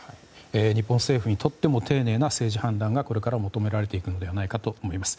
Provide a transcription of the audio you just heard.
日本政府にとっても丁寧な政治判断がこれから求められていくのではないかと思います。